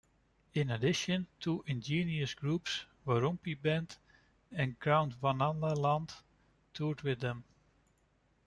In addition, two indigenous groups, Warumpi Band and Gondwanaland, toured with them.